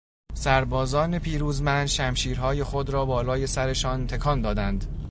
سربازان پیروزمند شمشیرهای خود را بالای سرشان تکان دادند.